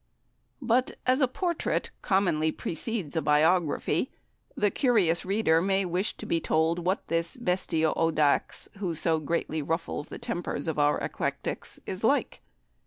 But, as a portrait commonly precedes a biography, the curious reader may wish to be told what this "Bestia audax," who so greatly ruffles the tempers of our eclectics, is like.